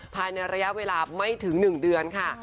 ภายในระยะเวลาไม่ถึง๑เดือนค่ะ